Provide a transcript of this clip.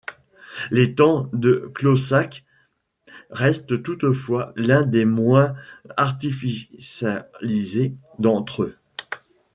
L’étang de Clossac reste toutefois l’un des moins artificialisés d’entre eux.